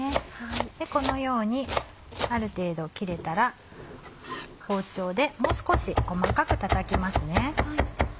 このようにある程度切れたら包丁でもう少し細かく叩きますね。